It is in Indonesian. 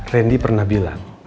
randy pernah bilang